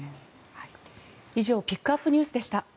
以上ピックアップＮＥＷＳでした。